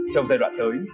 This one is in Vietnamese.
trong giai đoạn tới